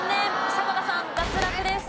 迫田さん脱落です。